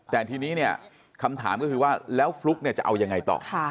แต่ทีนี้เนี่ยคำถามก็คือว่าแล้วฟลุ๊กเนี่ยจะเอายังไงต่อ